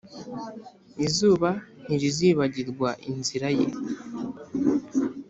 izuba ntirizibagirwa inzira ye,